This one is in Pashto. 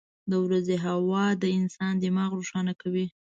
• د ورځې هوا د انسان دماغ روښانه کوي.